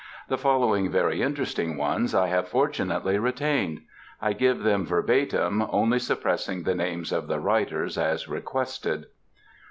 The following very interesting ones I have fortunately retained. I give them verbatim, only suppressing the names of the writers, as requested.